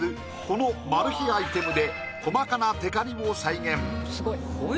このまる秘アイテムで細かなてかりを再現。